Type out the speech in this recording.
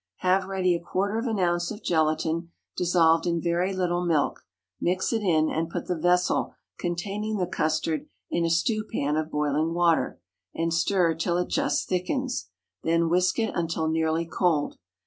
Have ready a quarter of an ounce of gelatine dissolved in very little milk, mix it in, and put the vessel containing the custard in a stewpan of boiling water, and stir till it just thickens; then whisk it until nearly cold.